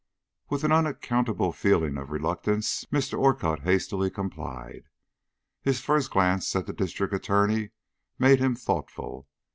With an unaccountable feeling of reluctance, Mr. Orcutt hastily complied. His first glance at the District Attorney made him thoughtful.